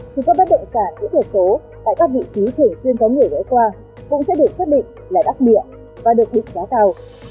thì các bất động sản kỹ thuật số tại các vị trí thường xuyên có người gửi qua cũng sẽ được xác định là đặc biệt và được định giá cao